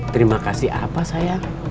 terima kasih apa sayang